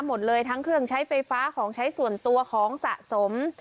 หมดเลยทั้งเครื่องใช้ไฟฟ้าของใช้ส่วนตัวของสะสม